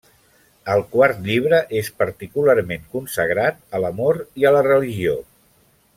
El quart llibre és particularment consagrat a l'amor i a la religió.